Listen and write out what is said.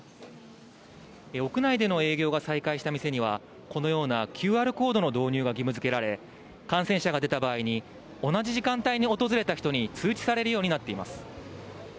屋内での営業が再開した店には、このようなＱＲコードの導入が義務づけられ、感染者が出た場合に同じ時間帯に訪れた人に通知されるようになっています。